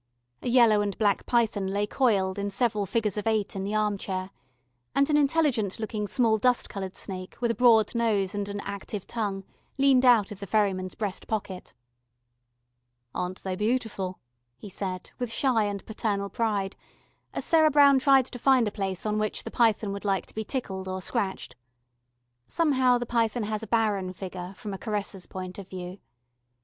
A yellow and black python lay coiled in several figures of eight in the armchair, and an intelligent looking small dust coloured snake with a broad nose and an active tongue leaned out of the ferryman's breast pocket. "Aren't they beautiful?" he said, with shy and paternal pride, as Sarah Brown tried to find a place on which the python would like to be tickled or scratched. Somehow the python has a barren figure, from a caresser's point of view.